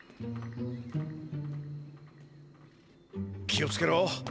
気をつけろ。